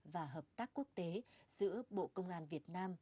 và hợp tác quốc tế giữa bộ công an việt nam